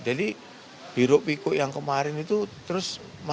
jadi biruk pikuk yang kemarin itu terus dikawal